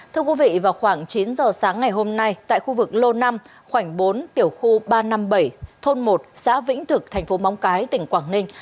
thưa quý vị vào khoảng chín giờ sáng ngày hôm nay tại khu vực lô năm khoảnh bốn tiểu khu ba trăm năm mươi bảy thôn một xã vĩnh thực thành phố móng cái tỉnh quảng ninh